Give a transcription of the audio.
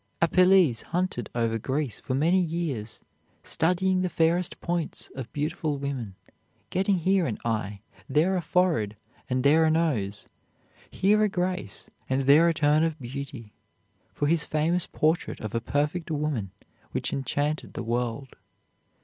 Apelles hunted over Greece for many years, studying the fairest points of beautiful women, getting here an eye, there a forehead and there a nose, here a grace and there a turn of beauty, for his famous portrait of a perfect woman which enchanted the world.